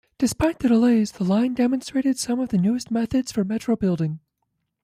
Despite the delays, the line demonstrated some of the newest methods for metro-building.